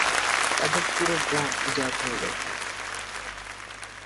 তাদের পুরো গ্রাম উজাড় হয়ে গেছে।